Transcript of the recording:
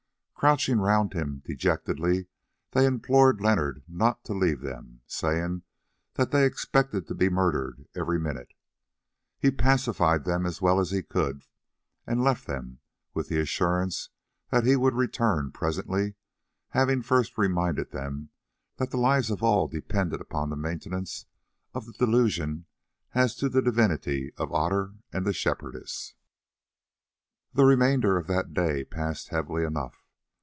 Crouching round him dejectedly they implored Leonard not to leave them, saying that they expected to be murdered every minute. He pacified them as well as he could and left them with the assurance that he would return presently, having first reminded them that the lives of all depended upon the maintenance of the delusion as to the divinity of Otter and the Shepherdess. The remainder of that day passed heavily enough.